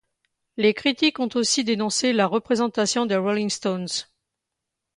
Les critiques ont aussi dénoncé la représentation des Rolling Stones.